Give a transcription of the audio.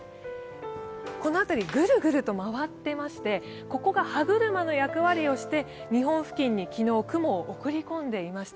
この辺りぐるぐると回っていまして、ここが歯車の役割をして日本付近に昨日、雲を送り込んでいました。